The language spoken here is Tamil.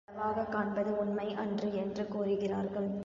பலவாகக் காண்பது உண்மை அன்று என்று கூறுகிறார்கள்.